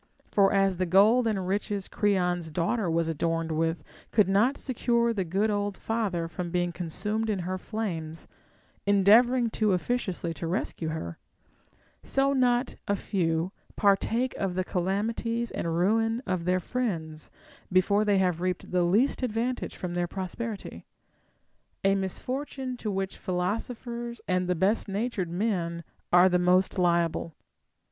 For as the gold and riches Creon's daughter was adorned with could not secure the good old father from being consumed in her flames, endeavoring too officiously to rescue her ; so not a few partake of the calamities and ruin of their friends, before they have reaped the least advantage from their pros perity ; a misfortune to which philosophers and the best natured men are the most liable.